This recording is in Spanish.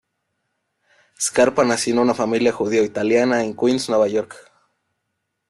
Scarpa nació en una familia judeo-italiana en Queens, Nueva York.